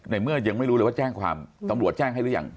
เมื่อยังไม่รู้เลยว่าแจ้งความตำรวจแจ้งให้หรือยัง